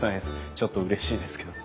ちょっとうれしいですけど。